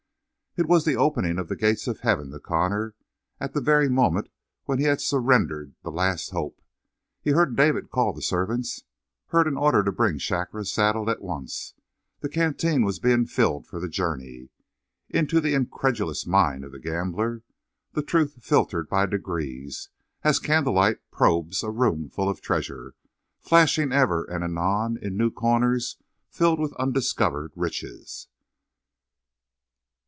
It was the opening of the gates of heaven to Connor at the very moment when he had surrendered the last hope. He heard David call the servants, heard an order to bring Shakra saddled at once. The canteen was being filled for the journey. Into the incredulous mind of the gambler the truth filtered by degrees, as candlelight probes a room full of treasure, flashing ever and anon into new corners filled with undiscovered riches.